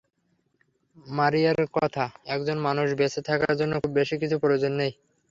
মারিয়ঁর কথা, একজন মানুষের বেঁচে থাকার জন্য খুব বেশি কিছু প্রয়োজন নেই।